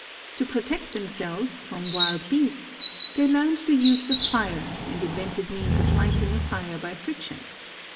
To protect themselves from wild beasts they learned the use of fire and invented means of lighting a fire by friction.